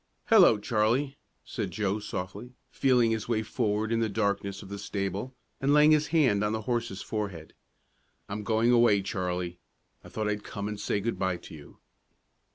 "Hello, Charlie!" said Joe, softly, feeling his way forward in the darkness of the stable, and laying his hand on the horse's forehead. "I'm going away, Charlie; I thought I'd come and say good by to you."